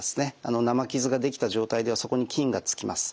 生傷ができた状態ではそこに菌が付きます。